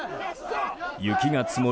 雪が積もる